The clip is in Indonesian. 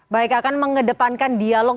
baik akan mengedepankan dialog